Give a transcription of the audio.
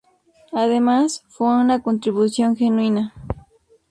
Además, fue una contribución genuina.